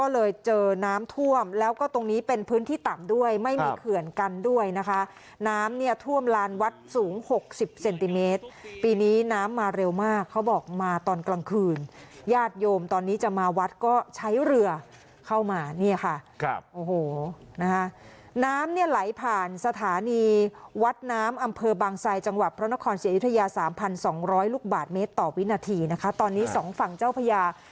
เลยเจอน้ำท่วมแล้วก็ตรงนี้เป็นพื้นที่ต่ำด้วยไม่มีเขื่อนกันด้วยนะคะน้ำเนี่ยท่วมลานวัดสูง๖๐เซนติเมตรปีนี้น้ำมาเร็วมากเขาบอกมาตอนกลางคืนญาติโยมตอนนี้จะมาวัดก็ใช้เรือเข้ามาเนี่ยค่ะครับโอ้โหนะคะน้ำเนี่ยไหลผ่านสถานีวัดน้ำอำเภอบางไซจังหวัดพระนครศรีอยุธยา๓๒๐๐ลูกบาทเมตรต่อวินาทีนะคะตอนนี้สองฝั่งเจ้าพญา